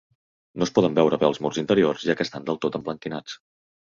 No es poden veure bé els murs interiors, ja que estan del tot emblanquinats.